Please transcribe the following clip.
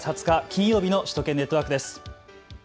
金曜日の首都圏ネットワークです。